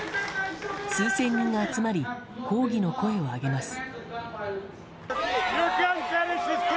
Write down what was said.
数千人が集まり抗議の声を上げます。